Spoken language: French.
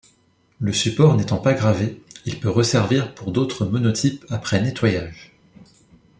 Le support n'étant pas gravé, il peut resservir pour d'autres monotypes après nettoyage.